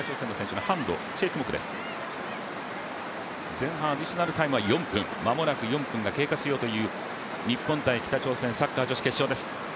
前半アディショナルタイムは４分、まもなく４分が経過しようという日本×北朝鮮、サッカー女子決勝です。